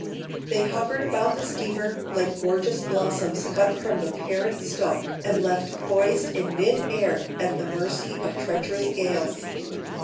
They hovered about the steamer like gorgeous blossoms cut from the parent stalk and left poised in mid air at the mercy of treacherous gales.